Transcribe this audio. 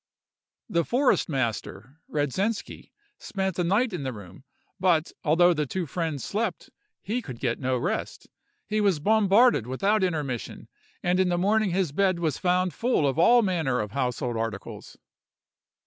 "The forest master, Radzensky, spent a night in the room, but, although the two friends slept, he could get no rest. He was bombarded without intermission, and in the morning his bed was found full of all manner of household articles.